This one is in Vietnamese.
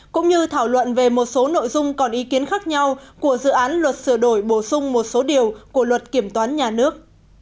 cũng như thảo luận về một số nội dung còn ý kiến khác nhau của dự án luật sửa đổi bổ sung một số điều của luật kiểm toán nhà nước